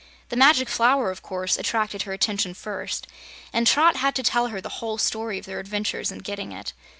The Magic Flower of course attracted her attention first, and Trot had to tell her the whole story of their adventures in getting it.